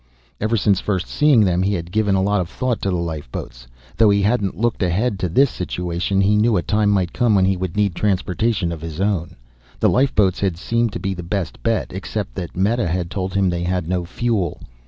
Ever since first seeing them, he had given a lot of thought to the lifeboats. Though he hadn't looked ahead to this situation, he knew a time might come when he would need transportation of his own. The lifeboats had seemed to be the best bet, except that Meta had told him they had no fuel.